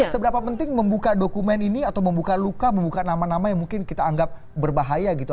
seberapa penting membuka dokumen ini atau membuka luka membuka nama nama yang mungkin kita anggap berbahaya gitu